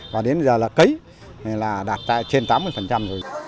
và đến giờ là cấy là đạt trên tám mươi rồi